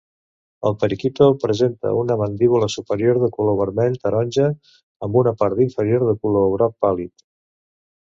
El periquito presenta una mandíbula superior de color vermell-taronja amb una part inferior de color groc pàl·lid.